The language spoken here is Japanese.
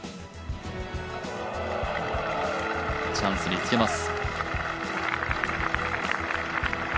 チャンスにつけます。